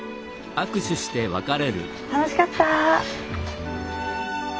楽しかった。